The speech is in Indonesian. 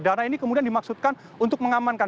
dana ini kemudian dimaksudkan untuk mengamankan